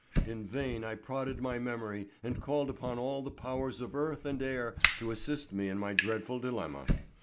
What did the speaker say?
In vain I prodded my memory and called upon all the powers of earth and air to assist me in my dreadful dilemma.